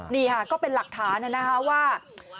นี่ค่ะก็เป็นหลักฐานนะคะว่า